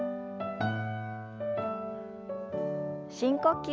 深呼吸。